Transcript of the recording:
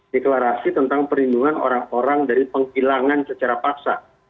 deklarasi tentang perlindungan orang orang dari penghilangan secara paksa